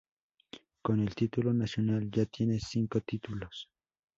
Con el título nacional ya tiene cinco títulos.